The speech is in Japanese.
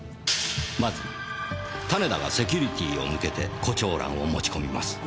まず種田がセキュリティーを抜けて胡蝶蘭を持ち込みます。